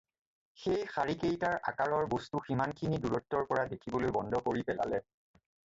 সেই শাৰীকেইটাৰ আকাৰৰ বস্তু সিমানখিনি দূৰত্বৰ পৰা দেখিবলৈ বন্ধ কৰি পেলালে।